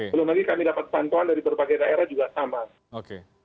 belum lagi kami dapat pantauan dari berbagai daerah juga sama